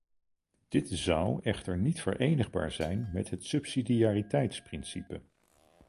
Dit zou echter niet verenigbaar zijn met het subsidiariteitsprincipe.